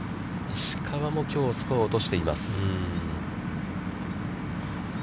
石川もきょうスコアを落としています。